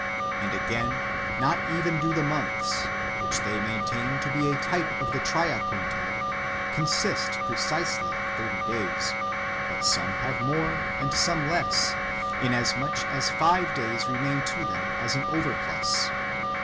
And again, not even do the months, which they maintain to be a type of the Tria contad, consist precisely of thirty days, but some have more and some less, inasmuch as five days remain to them as an overplus.